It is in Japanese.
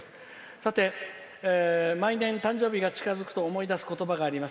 さて、毎年、誕生日が近づくと思い出す言葉があります。